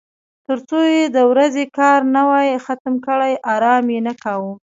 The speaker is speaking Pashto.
تر څو یې د ورځې کار نه وای ختم کړی ارام یې نه کاوه.